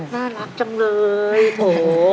น่ารักจังเลยโถ่